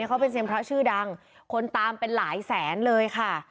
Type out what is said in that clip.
เขาเป็นเซียนพระชื่อดังคนตามเป็นหลายแสนเลยค่ะ